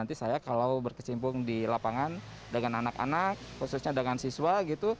nanti saya kalau berkecimpung di lapangan dengan anak anak khususnya dengan siswa gitu